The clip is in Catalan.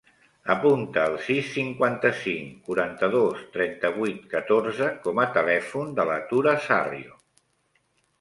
Apunta el sis, cinquanta-cinc, quaranta-dos, trenta-vuit, catorze com a telèfon de la Tura Sarrio.